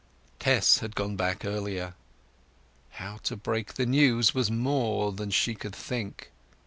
Tess had gone back earlier. How to break the news was more than she could think.